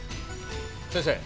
先生